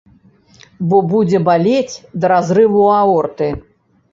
Бо будзе балець да разрыву аорты!